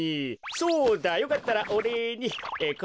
そうだよかったらおれいにこれを。